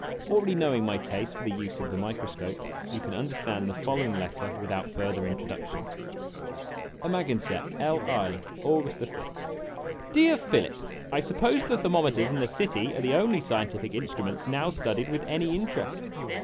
Already knowing my taste for the use of the microscope, you can understand the following letter without further introduction : AMAGANSETT, L. I., August 5th. DEAR PHILIP : I suppose the thermometers in the city are the only scientific in struments now studied with any interest.